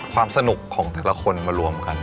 ความสนุกของแต่ละคนมารวมกัน